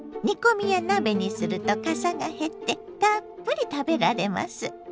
煮込みや鍋にするとかさが減ってたっぷり食べられます。